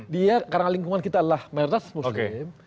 dia karena lingkungan kita adalah mayoritas muslim